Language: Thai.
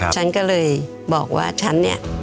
ฉันก็เลยบอกว่าฉัน